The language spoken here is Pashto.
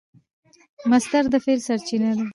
مصدر د فعل سرچینه ده.